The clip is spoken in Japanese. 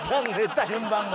順番が。